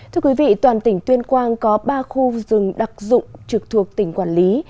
thưa quý vị toàn tỉnh tuyên quang có ba khu rừng đặc dụng trực thuộc tỉnh quản lý